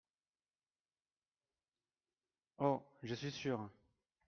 Oh ! je suis sûr…